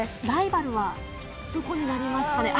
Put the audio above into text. ライバルはどこになりますか。